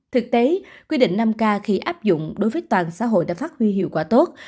thực tế quy định năm k khi áp dụng đối với toàn xã hội đã phát huy hiệu quả tốt